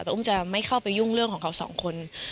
แต่อุ้มจะไม่เข้าไปยุ่งเรื่องของเขาสองคน